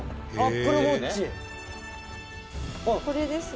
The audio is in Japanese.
「これですね」